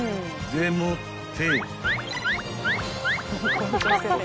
［でもって］